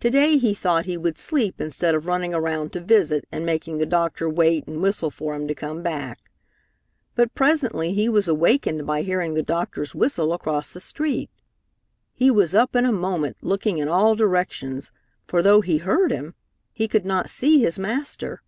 To day he thought he would sleep instead of running around to visit and making the doctor wait and whistle for him to come back. But presently he was awakened by hearing the doctor's whistle across the street. He was up in a moment looking in all directions, for though he heard him, he could not see his master.